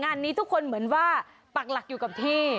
งานนี้ทุกคนเหมือนว่าปักหลักอยู่กับที่